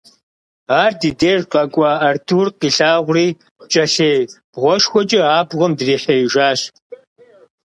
Ар ди деж къэкӀуа Артур къилъагъури пкӀэлъей бгъуэшхуэкӀэ абгъуэм дрихьеижащ.